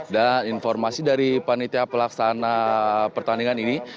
dan informasi dari panitia pelaksana pertandingan ini